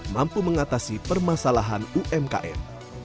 mampu mengatasi permasalahan umkm